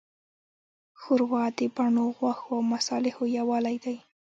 ښوروا د بڼو، غوښو، او مصالحو یووالی دی.